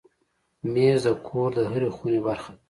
مېز د کور د هرې خونې برخه ده.